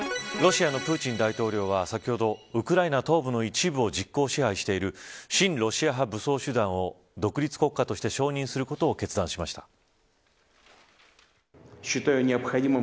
ロシアのプーチン大統領は先ほどウクライナ東部の一部を実効支配している新ロシア派武装集団を独立国家として承認することを決断しました。